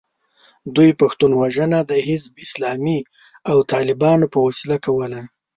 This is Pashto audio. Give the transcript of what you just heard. دوی پښتون وژنه د حزب اسلامي او طالبانو په وسیله کوله.